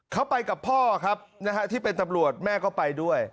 เขาไปกับพ่อครับนะฮะที่เป็นตำรวจแม่ก็ไปด้วย